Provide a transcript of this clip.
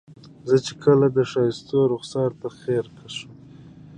زه چې کله د ښایستونو رخسار ته ځیر شم.